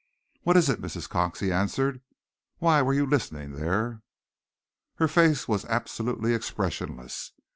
"What is it, Mrs. Cox?" he asked. "Why were you listening there?" Her face was absolutely expressionless.